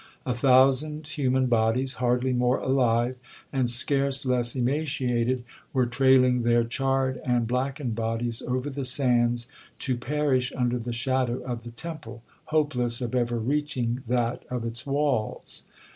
A thousand human bodies, hardly more alive, and scarce less emaciated, were trailing their charred and blackened bodies over the sands, to perish under the shadow of the temple, hopeless of ever reaching that of its walls.